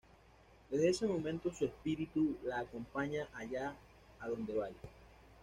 Desde ese momento su espíritu la acompaña allá a donde vaya.